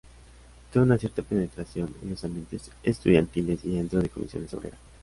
Tuvo una cierta penetración en los ambientes estudiantiles y dentro de Comisiones Obreras.